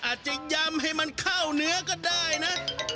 อาจจะยำให้มันเข้าเนื้อก็ได้นะ